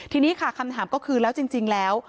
ทีนี้ค่ะคำถามก็คือแล้วจริงแล้ว